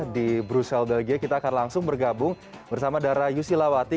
di brussel belgia kita akan langsung bergabung bersama dara yusilawati